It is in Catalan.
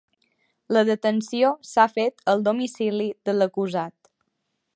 La detenció s'ha fet al domicili de l'acusat